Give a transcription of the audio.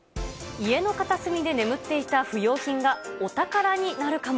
家の片隅で眠っていた不用品が、お宝になるかも。